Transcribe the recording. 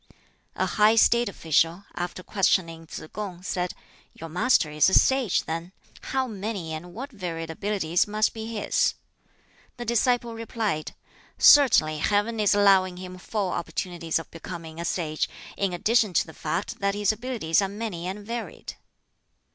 A high State official, after questioning Tsz kung, said, "Your Master is a sage, then? How many and what varied abilities must be his!" The disciple replied, "Certainly Heaven is allowing him full opportunities of becoming a sage, in addition to the fact that his abilities are many and varied."